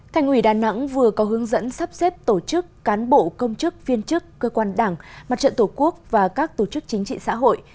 thành ủy đà nẵng vừa có hướng dẫn sắp xếp tổ chức cán bộ công chức viên chức cơ quan đảng mặt trận tổ quốc và các tổ chức chính trị xã hội